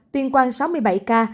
tuyên quang sáu mươi bảy ca